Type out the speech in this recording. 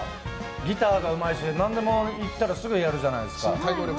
ギターがうまいし何でも言ったらすぐやるじゃないですか。